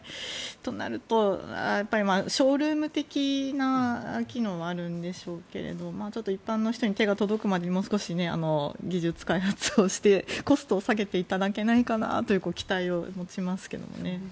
となると、ショールーム的な機能があるんでしょうけど一般の人の手が届くまでもう少し技術開発をしてコストを下げていただけないかなという期待を持ちますけどね。